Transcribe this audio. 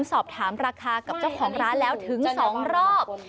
สอบถามราคากับเจ้าของร้านแล้วถึง๒รอบ